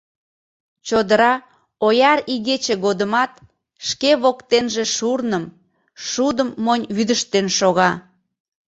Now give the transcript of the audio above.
Чодыра ояр игече годымат шке воктенже шурным, шудым монь вӱдыжтен шога.